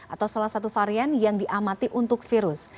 atau salah satu varian yang diamati untuk virus